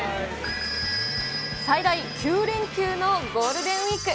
最大９連休のゴールデンウィーク。